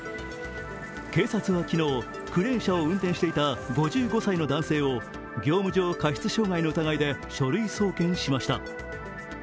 警察は昨日、クレーン車を運転していた５５歳の男性を業務上過失傷害の疑いで書類送検しました。